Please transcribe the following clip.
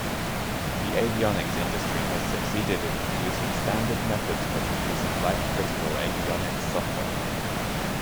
The avionics industry has succeeded in producing standard methods for producing life-critical avionics software.